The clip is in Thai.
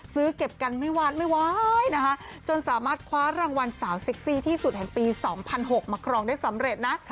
ซื้อเก็บกันไม่วาดไม่ไหวนะคะจนสามารถคว้ารางวัลสาวเซ็กซี่ที่สุดแห่งปี๒๐๐๖มาครองได้สำเร็จนะ